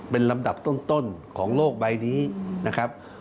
เป็นลำดับต้นของโลกใบนี้นะครับ